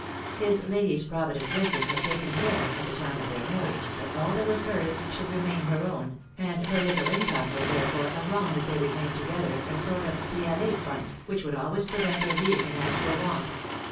His lady's provident wisdom had taken care, at the time of their marriage, that all that was hers should remain her own, and her little income was therefore as long as they remained together a sort of pis aller fund, which would always prevent their being in actual want.